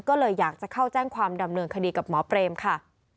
ก็เลยอยากจะเข้าแจ้งความดำเนินคดีกับหมอเปรมค่ะ